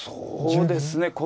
そうですね